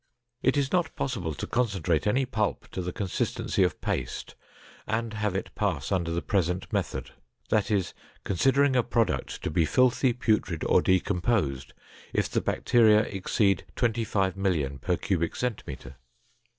It is not possible to concentrate any pulp to the consistency of paste and have it pass under the present method; that is, considering a product to be filthy, putrid or decomposed if the bacteria exceed 25,000,000 per cubic centimeter.